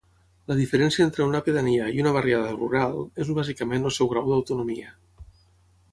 La diferència entre una pedania i una barriada rural és bàsicament el seu grau d'autonomia.